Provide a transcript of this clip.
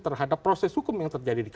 terhadap proses hukum yang terjadi di kpk